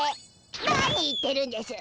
何言ってるんでしゅ